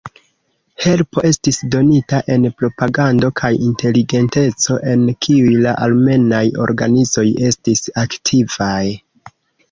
Helpo estis donita en propagando kaj inteligenteco en kiuj la armenaj organizoj estis aktivaj.